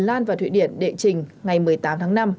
lan và thụy điển đệ trình ngày một mươi tám tháng năm